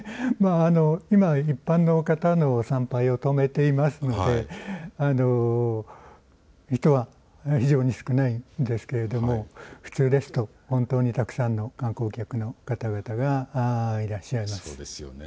今、一般の方の参拝を止めていますので人が非常に少ないですけれども普通ですと本当にたくさんの観光客の方々がいらっしゃいます。